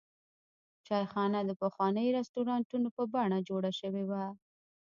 چایخانه د پخوانیو رسټورانټونو په بڼه جوړه شوې وه.